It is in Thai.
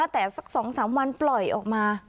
แต่สักสองสามวันปล่อยออกมา